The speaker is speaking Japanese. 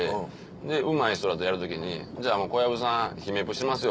でうまい人らとやる時に「小籔さん姫プしますよ